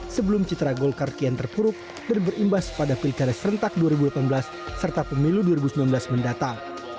sebelum citra golkar kian terpuruk dan berimbas pada pilkada serentak dua ribu delapan belas serta pemilu dua ribu sembilan belas mendatang